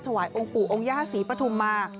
วายองค์ปู่องค์ย่าศรีปฐุมมา